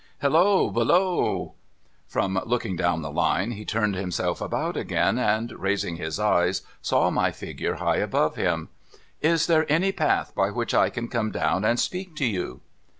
' Halloa ! Below !' From looking down the Line, he turned himself about again, and, raising his eyes, saw my figure high above him. ' Is there any path by which I can come down and speak to you